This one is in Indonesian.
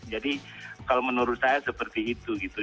jadi kalau menurut saya seperti itu gitu